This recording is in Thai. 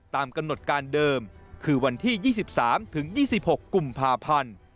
ตามกำหนดการเดิมคือวันที่๒๓ถึง๒๖กุมภาพันธ์